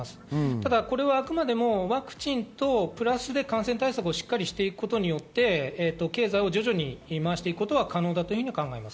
ただ、あくまでもワクチンとプラスで感染対策をしっかりしていくことによって、経済を徐々にまわしていくことは可能だと考えます。